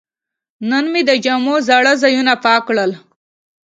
نن مې د جامو زاړه ځایونه پاک کړل.